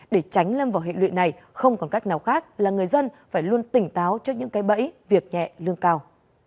để tránh lâm vào hệ lụy này không còn cách nào khác là người dân phải luôn tỉnh táo trước những cái bẫy việc nhẹ lương cao